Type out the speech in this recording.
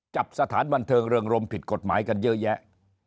สถานบันเทิงเรืองรมผิดกฎหมายกันเยอะแยะ